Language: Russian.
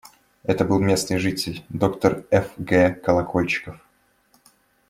Это был местный житель, доктор Ф. Г. Колокольчиков.